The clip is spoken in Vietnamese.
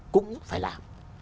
cũng phải làm